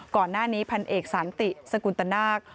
ก่อนหน้านี้พันเอกสันติสกุลตนาค